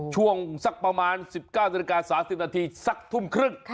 ช่วงสักประมาณ๑๙นาฬิกา๓๐นาทีสักทุ่มครึ่ง